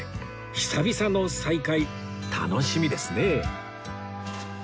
久々の再会楽しみですねえ